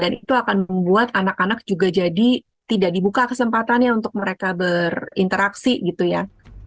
dan itu akan membuat anak anak juga jadi tidak dibuka kesempatannya untuk mereka berinteraksi gitu ya